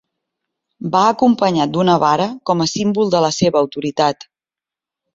Va acompanyat d'una vara com a símbol de la seva autoritat.